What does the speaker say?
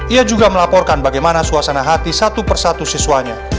ia juga melaporkan bagaimana suasana hati satu persatu siswanya